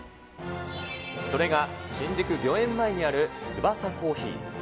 それが新宿御苑前にあるツバサコーヒー。